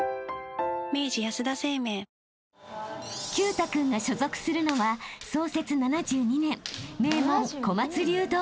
［毬太君が所属するのは創設７２年名門］